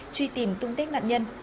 truy tìm tung tích nạn nhân